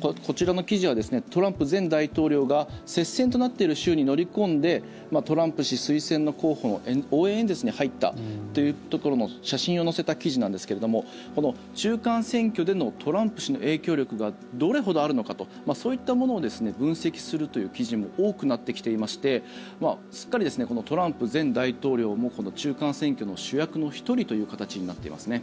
こちらの記事はトランプ前大統領が接戦となっている州に乗り込んでトランプ氏推薦の候補の応援演説に入ったというところの写真を載せた記事なんですけども中間選挙でのトランプ氏の影響力がどれほどあるのかとそういったものを分析するという記事も多くなってきていましてすっかりトランプ前大統領も中間選挙の主役の１人という形になっていますね。